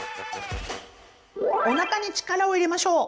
おなかに力を入れましょう！